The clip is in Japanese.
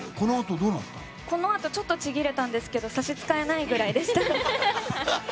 このあとちょっとちぎれたんですけど差し支えないぐらいでした。